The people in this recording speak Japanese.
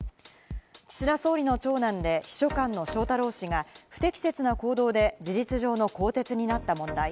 岸田総理の長男で秘書官の翔太郎氏が不適切な行動で事実上の更迭になった問題。